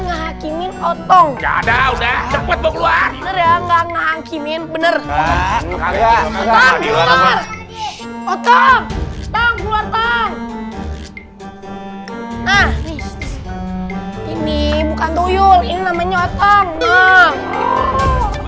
ngangkimin otong ada udah cepet buat bener bener otong otong otong ini bukan tuyul ini namanya otong